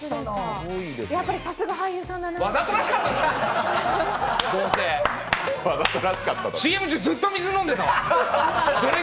やっぱりさすが俳優さんだなって。